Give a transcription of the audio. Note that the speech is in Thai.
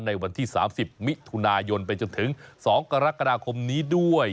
ในวันที่๓๐มิถุนายนไปจนถึง๒กรกฎาคมนี้ด้วย